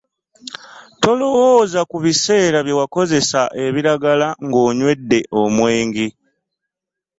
Tolowooza ku biseera bye wakozesa ebiragala ng’onywedde omwenge.